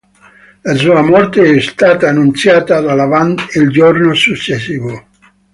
La sua morte è stata annunciata dalla band il giorno successivo.